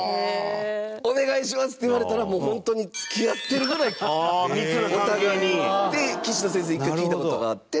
お願いしますって言われたら本当に付き合ってるぐらいお互いって棋士の先生に１回、聞いた事があって。